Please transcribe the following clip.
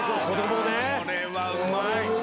これはうまい。